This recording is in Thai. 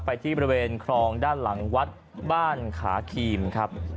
ไปที่บริเวณครองด้านหลังวัดบ้านขาครีมครับ